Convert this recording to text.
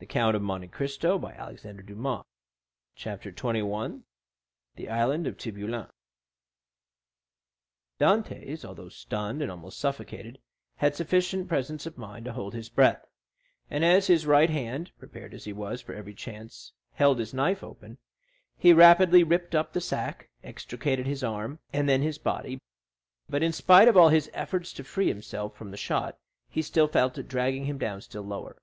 The sea is the cemetery of the Château d'If. 0267m Chapter 21. The Island of Tiboulen Dantès, although stunned and almost suffocated, had sufficient presence of mind to hold his breath, and as his right hand (prepared as he was for every chance) held his knife open, he rapidly ripped up the sack, extricated his arm, and then his body; but in spite of all his efforts to free himself from the shot, he felt it dragging him down still lower.